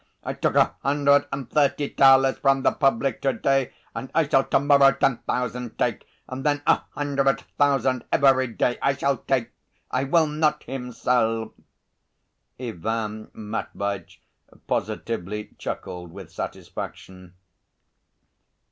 I took a hundred and thirty thalers from the public to day, and I shall to morrow ten thousand take, and then a hundred thousand every day I shall take. I will not him sell." Ivan Matveitch positively chuckled with satisfaction.